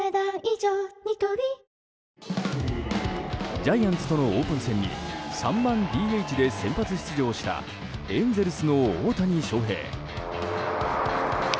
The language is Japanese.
ジャイアンツとのオープン戦に３番ＤＨで先発出場したエンゼルスの大谷翔平。